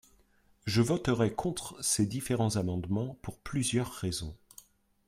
Je voterai contre ces différents amendements pour plusieurs raisons.